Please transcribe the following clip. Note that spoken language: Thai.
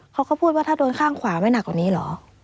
เขาก็พูดว่าถ้าโดนข้างขวาไม่หนักกว่านี้เหรอ